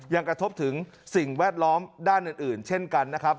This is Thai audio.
ยังกระทบถึงสิ่งแวดล้อมด้านอื่นเช่นกันนะครับ